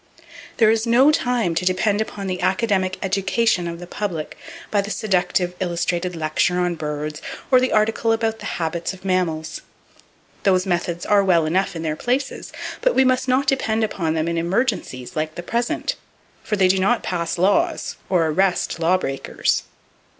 There is no time to depend upon the academic "education" of the public by the seductive illustrated lecture on birds, or the article about the habits of mammals. Those methods are all well enough in their places, but we must not depend upon them in emergencies like the present, for they do not pass laws or arrest lawbreakers.